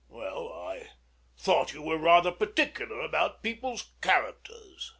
MANGAN. Well, I thought you were rather particular about people's characters. ELLIE.